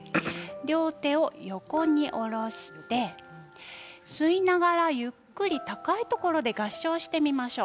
両手を横に下ろして吸いながらゆっくり高いところに合掌をしてみましょう。